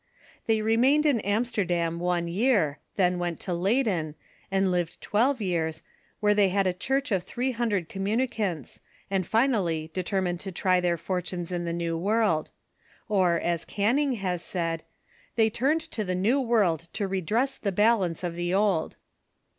They remained in Amsterdam one year, then went to Leyden, and lived twelve years, where they had a church of three hundred communi cants, and finally determined to try their fortiines in the New World ; or, as Canning has said, " They turned to the New World to redress the balance of the Old."